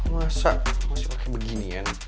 masa masih pakai beginian